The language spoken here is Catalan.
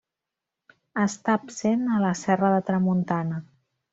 Està absent a la Serra de Tramuntana.